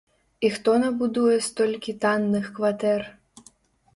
І хто набудуе столькі танных кватэр?